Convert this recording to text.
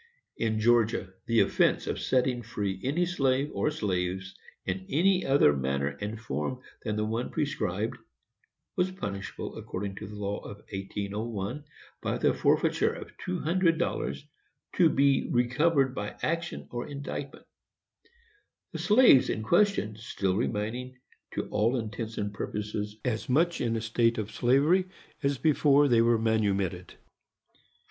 In Georgia, the offence of setting free "any slave, or slaves, in any other manner and form than the one prescribed," was punishable, according to the law of 1801, by the forfeiture of two hundred dollars, to be recovered by action or indictment; the slaves in question still remaining, "to all intents and purposes, as much in a state of slavery as before they were manumitted."